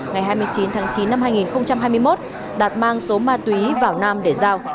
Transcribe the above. ngày hai mươi chín tháng chín năm hai nghìn hai mươi một đạt mang số ma túy vào nam để giao